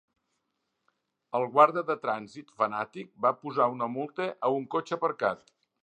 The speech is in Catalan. El guarda de trànsit fanàtic va posar una multa a un cotxe aparcat.